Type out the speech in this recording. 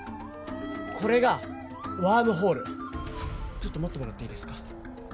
これがワームホールちょっと持ってもらっていいですか？